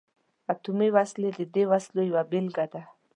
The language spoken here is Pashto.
اتمي وسلې د دې وسلو یوه بیلګه ده.